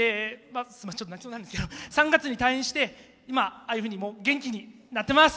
泣きそうなんですけど３月に退院して今、ああいうふうに元気になってます。